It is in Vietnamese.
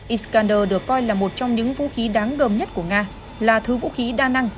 iscarner được coi là một trong những vũ khí đáng gồm nhất của nga là thứ vũ khí đa năng